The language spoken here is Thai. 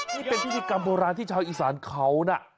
นี่เป็นพิธีกรรมโบราณที่ชาวอีสานเขานะ